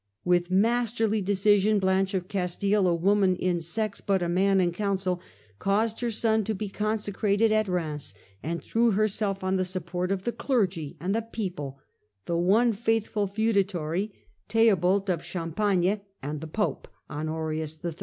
With masterly decision, Blanche of Castile, " a woman in sex, but a man in counsel," caused her son to be con secrated at Eheims, and threw herself on the support of the clergy and the people, the one faithful feudatory, Theobald of Champagne, and the Pope, Honorius III.